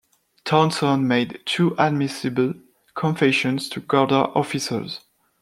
Townson made two admissible confessions to Garda officers.